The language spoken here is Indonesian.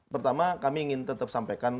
pertama kami ingin tetap sampaikan